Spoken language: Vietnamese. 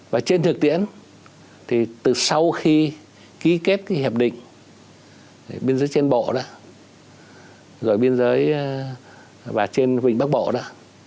và trên thực tiễn thì từ sau khi ký kết cái hiệp định biên giới trên bộ đó rồi biên giới và trên vịnh bắc bộ đó